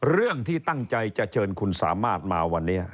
เรื่องที่ตั้งใจจะเชิญคุณสามารถมาวันนี้